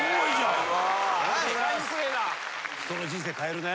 人の人生変えるね。